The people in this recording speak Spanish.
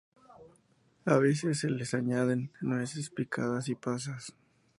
A veces se les añaden nueces picadas y pasas.